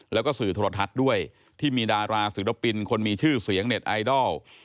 แล้วก็สื่อโทรทัศน์ด้วยที่มีดาราศิลปินคนมีชื่อเสียงเน็ตไอดอล